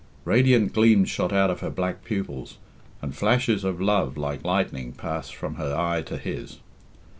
Radiant gleams shot out of her black pupils, and flashes of love like lightning passed from her eye to his.